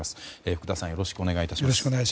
福田さんよろしくお願いいたします。